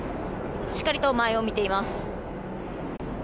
しっかりと前を見ています。